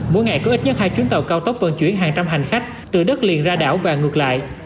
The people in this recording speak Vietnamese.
mỗi ngày có ít nhất hai chuyến tàu cao tốc vận chuyển hàng trăm hành khách từ đất liền ra đảo và ngược lại